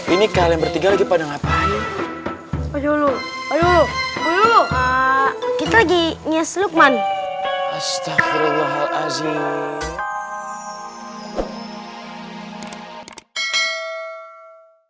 ini kalian bertiga lagi pada ngapain dulu dulu kita lagi nyes lukman astagfirullahaladzim